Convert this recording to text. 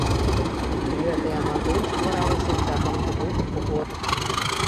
Гэтая мадэль стваралася цягам двух год.